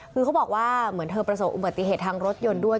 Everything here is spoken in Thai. คือเขาบอกว่าเหมือนเธอประสบอุบัติเหตุทางรถยนต์ด้วย